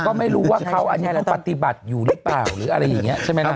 ก็ไม่รู้ว่าเขาอันนี้เราปฏิบัติอยู่หรือเปล่าหรืออะไรอย่างนี้ใช่ไหมล่ะ